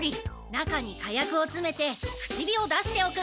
中に火薬をつめて口火を出しておく。